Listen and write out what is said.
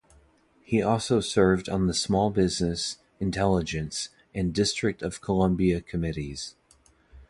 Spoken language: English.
He also served on the Small Business, Intelligence and District of Columbia Committees.